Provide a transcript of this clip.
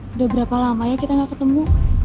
udah berapa lama ya kita gak ketemu